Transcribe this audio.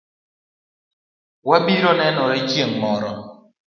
Wabiro nenore chieng' moro